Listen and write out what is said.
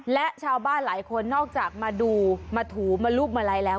และชาวบ้านหลายคนนอกจากมาดูมาถูมารูปมาลัยแล้ว